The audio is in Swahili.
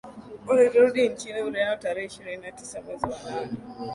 Walirudi nchini Ureno Tarehe ishirini na tisa mwezi wa nane